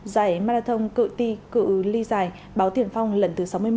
giải marathon cựu ti cựu ly giải báo tiền phong lần thứ sáu mươi một